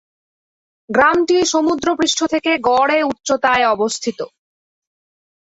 গ্রামটি সমুদ্রপৃষ্ঠ থেকে গড়ে উচ্চতায় অবস্থিত।